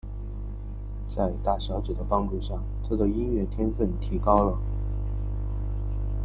在大小姐的帮助下他的音乐天份提高了。